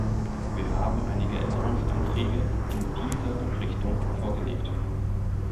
Wir haben einige Änderungsanträge in dieser Richtung vorgelegt.